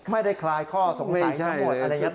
ไม่ได้คลายข้อสงสัยทั้งหมดอะไรเงี้ย